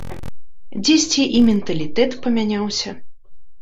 Дзесьці і менталітэт памяняўся.